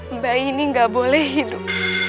mbak ini nggak boleh hidup